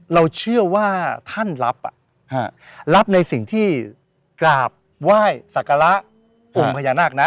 เราเชื่อว่าท่านรับรับในสิ่งที่กราบไหว้สักการะองค์พญานาคนะ